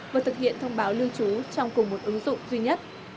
vừa thực hiện thông báo lưu trú trong cùng một ứng dụng duy nhất